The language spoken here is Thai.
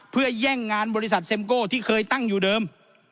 เพื่อแย่งงานบริษัทเซ็มโก้ที่เคยตั้งอยู่เดิม